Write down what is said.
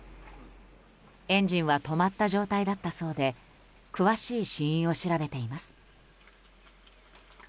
エンジンは止まった状態だったそうで詳しい死因を調べています。